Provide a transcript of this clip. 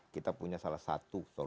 kita punya salah satu